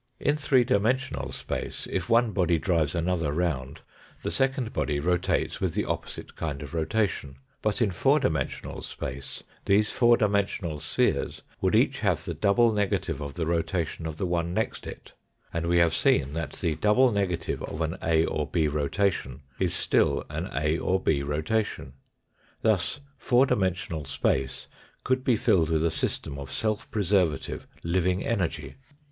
In three dimensional space, if one body drives another round the second body rotates with the opposite kind of rotation ; but in four dimensional space these four dimensional spheres would each have the double negative of the rotation of the one next it, and we have seen that the double negative of an A or B rotation is still an A or B rotation. Thus fpur dimensional space could be filled with a system of self preservative living energy.